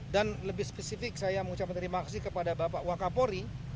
dan lebih spesifik saya mengucapkan terima kasih kepada bapak wak kapolri